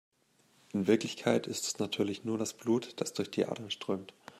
In Wirklichkeit ist es natürlich nur das Blut, das durch die Adern strömt.